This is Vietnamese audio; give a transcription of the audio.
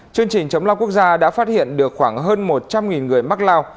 chương trình chống lao quốc gia đã phát hiện được khoảng hơn một trăm linh người mắc lao